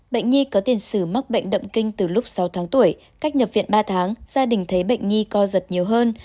bệnh nhi có tiền sử mắc bệnh động kinh từ lúc sáu tháng tuổi cách nhập viện ba tháng gia đình thấy bệnh nhi co giật nhiều hơn